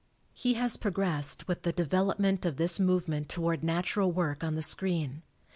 He has progressed with the development of this movement toward natural work on the screen.